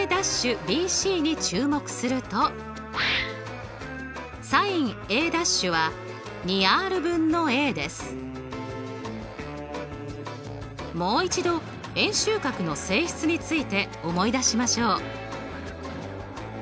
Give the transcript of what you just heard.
’ＢＣに注目するともう一度円周角の性質について思い出しましょう。